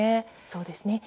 そうですね。